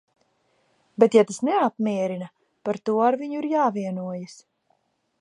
Bet ja tas neapmierina, par to ar viņu ir jāvienojas.